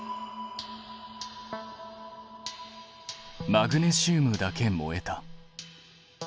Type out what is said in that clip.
マグネシウムだけ燃えた。